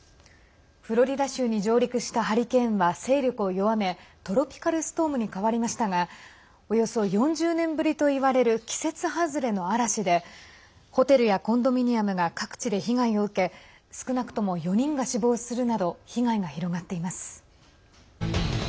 フロリダ州に上陸したハリケーンは勢力を弱めトロピカルストームに変わりましたがおよそ４０年ぶりといわれる季節外れの嵐でホテルやコンドミニアムが各地で被害を受け少なくとも４人が死亡するなど被害が広がっています。